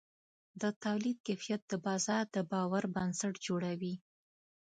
د تولید کیفیت د بازار د باور بنسټ جوړوي.